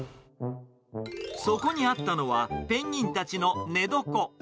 そこにあったのは、ペンギンたちの寝床。